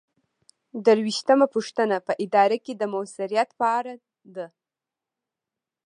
درویشتمه پوښتنه په اداره کې د مؤثریت په اړه ده.